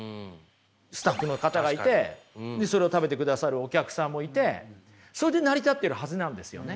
スタッフの方がいてそれを食べてくださるお客さんもいてそれで成り立っているはずなんですよね。